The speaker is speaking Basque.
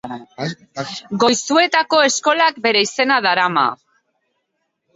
Goizuetako eskolak bere izena darama.